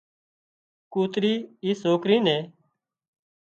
ڪوتري اِي سوڪري نين